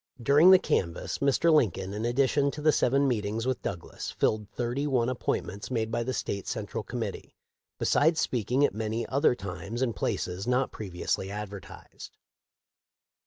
During the canvass Mr. Lincoln, in addition to the seven meetings with Douglas, filled thirty one appointments made by the State Central Com mittee, besides speaking at many other times and places not previously advertised.